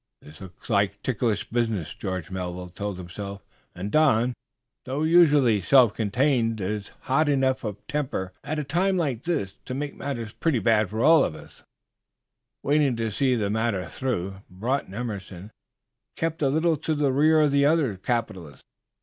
"This looks like ticklish business," George Melville told himself, "and Don, though usually self contained, is hot enough of temper, at a time like this, to make matters pretty bad for all concerned." Wanting to see the matter through Broughton Emerson kept a little to the rear of the other capitalist.